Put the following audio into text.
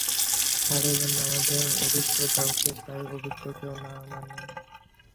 Sir, এর জন্য আমাদের অভিজ্ঞ কাউকে চাই অভিজ্ঞ কেউ মানে?